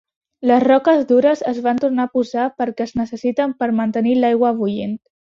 Les roques dures es van tornar a posar per què es necessiten per mantenir l"aigua bullint.